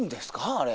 あれ。